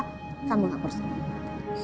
kamu ngapur sendiri